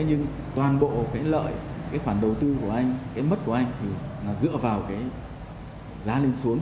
nhưng toàn bộ cái lợi cái khoản đầu tư của anh cái mất của anh thì là dựa vào cái giá lên xuống